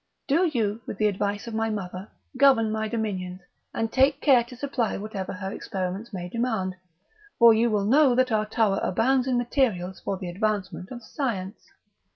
Do you, with the advice of my mother, govern my dominions, and take care to supply whatever her experiments may demand; for you well know that our tower abounds in materials for the advancement of science."